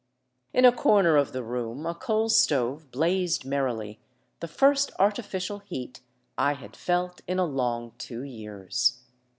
In a corner of the room a coal stove blazed merrily, the first artificial heat I had felt in a long two years.